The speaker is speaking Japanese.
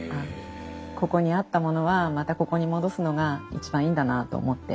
ここにあったものはまたここに戻すのが一番いいんだなと思って。